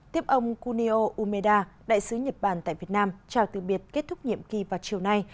tiếp ông kunio umeda đại sứ nhật bản tại việt nam chào từ biệt kết thúc nhiệm kỳ vào chiều nay